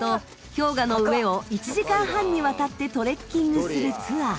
氷河の上を１時間半にわたってトレッキングするツアー。